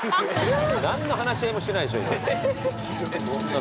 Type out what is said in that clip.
何の話し合いもしてないでしょ。